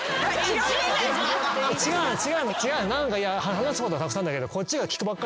話すことはたくさんあるんだけどこっちが聞くばっかり。